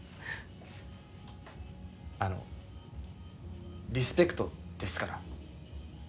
あのリスペクトですから。